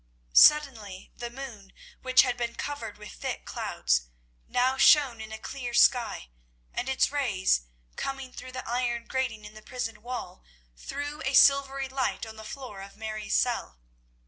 Suddenly the moon, which had been covered with thick clouds, now shone in a clear sky, and, its rays coming through the iron grating in the prison wall, threw a silvery light on the floor of Mary's cell.